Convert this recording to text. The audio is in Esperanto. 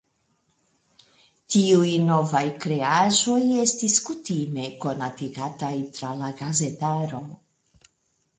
Tiuj novaj kreaĵoj estis kutime konatigataj tra la gazetaro.